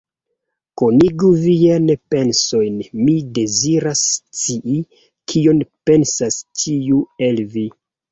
Konigu viajn pensojn, mi deziras scii, kion pensas ĉiu el vi!